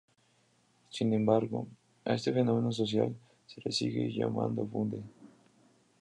Sin embargo a este fenómeno social se le sigue llamando bunde.